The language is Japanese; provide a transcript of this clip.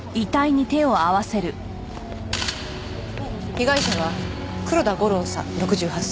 被害者は黒田吾郎さん６８歳。